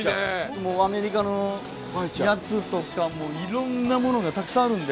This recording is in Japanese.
もうアメリカのやつとかもう色んなものがたくさんあるんで。